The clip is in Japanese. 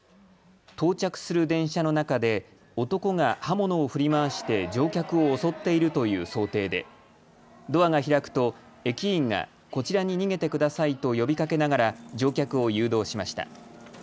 到着する電車の中で男が刃物を振り回して乗客を襲っているという想定でドアが開くと駅員がこちらに逃げてくださいと呼びかけながら乗客を誘導しました。